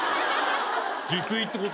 自炊ってこと？